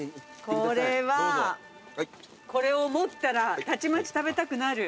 これはこれを持ったらたちまち食べたくなる。